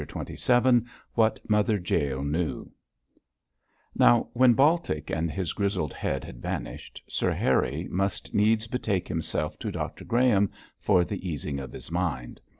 CHAPTER XXVII WHAT MOTHER JAEL KNEW Now, when Baltic and his grizzled head had vanished, Sir Harry must needs betake himself to Dr Graham for the easing of his mind.